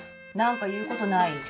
何か言うことない？